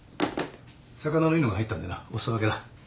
魚のいいのが入ったんでなおすそ分けだ。